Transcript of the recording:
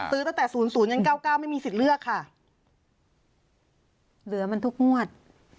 ซื้อตั้งแต่๐๐เงิน๙๙ไม่มีสิทธิ์เลือกค่ะเหลือมันทุกงวด๐๐